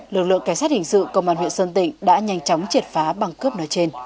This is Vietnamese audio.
lực lượng cảnh sát hình sự công an huyện sơn tịnh đã nhanh chóng triệt phá băng cướp nói trên